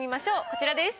こちらです。